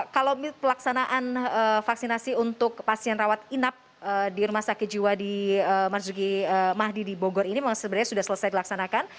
kalau pelaksanaan vaksinasi untuk pasien rawat inap di rumah sakit jiwa di marzuki mahdi di bogor ini memang sebenarnya sudah selesai dilaksanakan